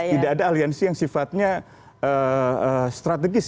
tidak ada aliansi yang sifatnya strategis